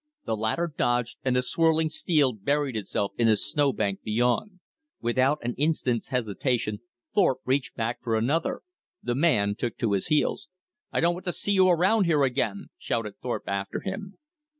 The latter dodged, and the swirling steel buried itself in the snowbank beyond. Without an instant's hesitation Thorpe reached back for another. The man took to his heels. "I don't want to see you around here again!" shouted Thorpe after him.